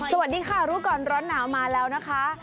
สวัสดีค่ะรู้ก่อนร้อนหนาวมาแล้วนะคะ